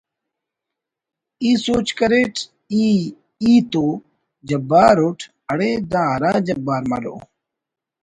“ ای سوج کریٹ…… ”ای……ای تو ……جبار اٹ ……“ اڑے دا ہرا جبار مرو……